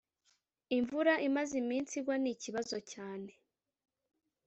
Imvura imaze iminsi igwa ni ikibazo cyane